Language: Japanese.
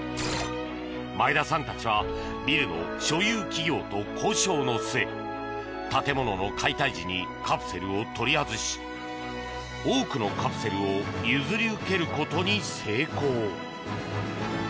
前田さんたちはビルの所有企業と交渉の末建物の解体時にカプセルを取り外し多くのカプセルを譲り受けることに成功。